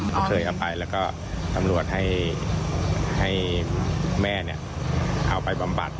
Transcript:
เขาเคยเอาไปแล้วก็ตำรวจให้แม่เอาไปบำบัด